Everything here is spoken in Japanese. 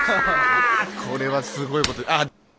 これはすごいことにあっ。